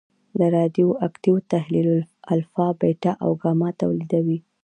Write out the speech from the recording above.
د رادیواکتیو تحلیل الفا، بیټا او ګاما تولیدوي.